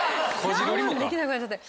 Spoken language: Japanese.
我慢できなくなっちゃって。